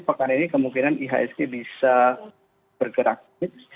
pekan ini kemungkinan iasg bisa bergerak nis